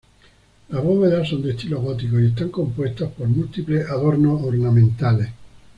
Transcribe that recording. Las bóvedas son de estilo gótico y están compuestas por múltiples adornos ornamentales.